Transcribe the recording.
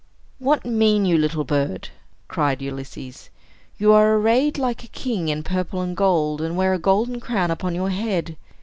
"What mean you, little bird?" cried Ulysses. "You are arrayed like a king in purple and gold, and wear a golden crown upon your head.